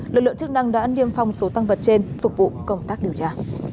lực lượng chức năng đã niêm phong số tăng vật trên phục vụ công tác điều tra